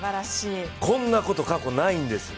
こんなこと過去ないんです。